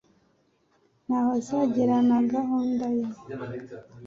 Ntaho azagera na gahunda ye